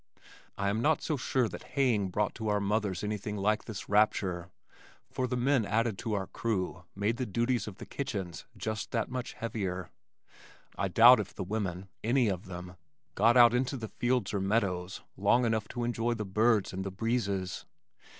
I am not so sure that haying brought to our mothers anything like this rapture, for the men added to our crew made the duties of the kitchens just that much heavier. I doubt if the women any of them got out into the fields or meadows long enough to enjoy the birds and the breezes.